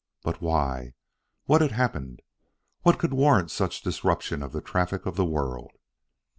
But why? What had happened? What could warrant such disruption of the traffic of the world?